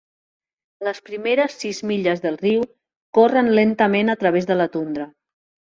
Les primeres sis milles del riu corren lentament a través de la tundra.